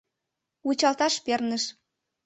Вучалташ перныш.